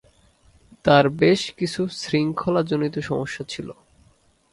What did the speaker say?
তার বেশ কিছু শৃঙ্খলাজনিত সমস্যা ছিল।